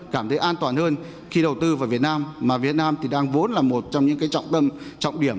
cảm thấy an toàn hơn khi đầu tư vào việt nam mà việt nam thì đang vốn là một trong những trọng tâm trọng điểm